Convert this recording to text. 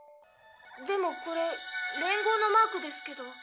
でもこれ連合のマークですけど。